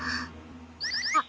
あっ！